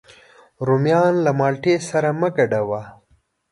رومیان له مالټې سره مه ګډوه